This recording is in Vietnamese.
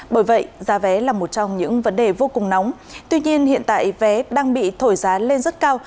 bởi vậy giá vé là một trong những vấn đề vô cùng nóng tuy nhiên hiện tại vé đang bị thổi giá lên rất cao